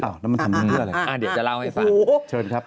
โอ้โหเชิญครับ